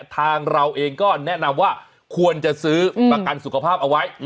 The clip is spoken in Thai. ทางเราเองก็แนะนำว่าควรจะซื้อประกันสุขภาพเอาไว้